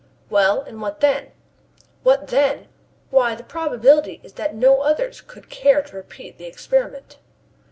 "Well, and what then?" "What then? Why the probability is that no others would care to repeat the experiment."